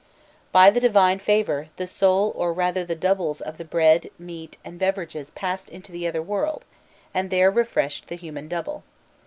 By the divine favour, the soul or rather the doubles of the bread, meat, and beverages passed into the other world, and there refreshed the human double.